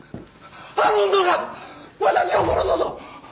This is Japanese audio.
あの女が私を殺そうと！